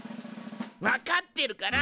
分かってるから！